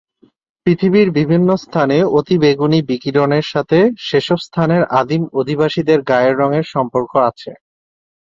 পৃথিবীর বিভিন্ন স্থানে অতিবেগুনী বিকিরণের সাথে সেসব স্থানের আদিম অধিবাসীদের গায়ের রঙের সম্পর্ক আছে।